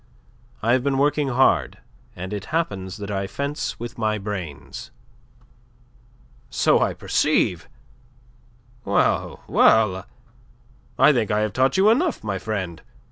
"I have been working hard; and it happens that I fence with my brains." "So I perceive. Well, well, I think I have taught you enough, my friend.